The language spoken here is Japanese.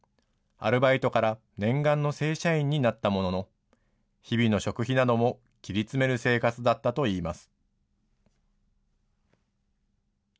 アルバイトから念願の正社員になったものの、日々の食費なども切り詰める生活だったといいます。